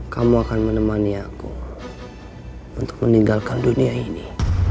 kamu akan menemani aku untuk meninggalkan dunia ini